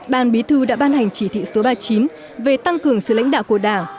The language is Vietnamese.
ban bí thư đã ban hành chỉ thị số ba mươi chín về tăng cường sự lãnh đạo của đảng